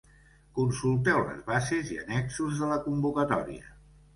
Consulteu les bases i annexos de la convocatòria.